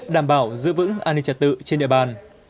đảm bảo giữ vững an ninh trật tự trên địa bàn